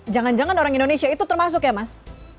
jangan jangan orang indonesia itu termasuk ya mas